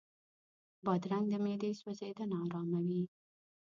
بادرنګ د معدې سوځېدنه آراموي.